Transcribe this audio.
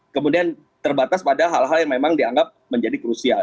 kemudian terbatas pada hal hal yang memang dianggap menjadi krusial